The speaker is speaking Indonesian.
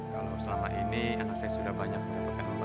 kalau selama ini anak saya sudah banyak memperkenalkan mama